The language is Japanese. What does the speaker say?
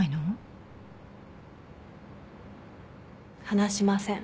話しません。